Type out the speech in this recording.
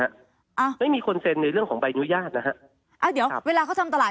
อ่าไม่มีคนเซ็นในเรื่องของใบอนุญาตนะฮะอ่าเดี๋ยวครับเวลาเขาทำตลาด